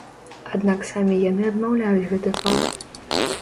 Аднак самі яны адмаўляюць гэты факт.